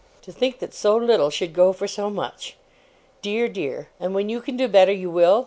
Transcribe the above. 'To think that so little should go for so much! Dear, dear! And when you can do better, you will?